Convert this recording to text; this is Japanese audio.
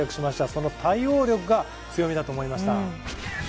その対応力が強みだと思いました。